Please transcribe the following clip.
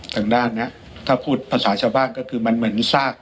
ทางด้านนะถ้าพูดภาษาชาวบ้านก็คือมันเหมือนซาก